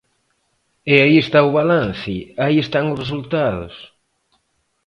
E aí está o balance, aí están os resultados.